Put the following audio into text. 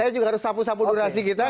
saya juga harus sapu sapu durasi kita